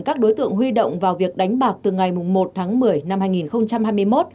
các đối tượng huy động vào việc đánh bạc từ ngày một tháng một mươi năm hai nghìn hai mươi một